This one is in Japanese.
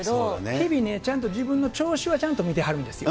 日々ね、ちゃんと自分の調子ちゃんと見てはるんですよ。